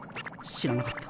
知らなかった。